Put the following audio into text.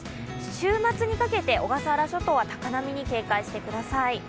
週末にかけて小笠原諸島は高波に警戒してください。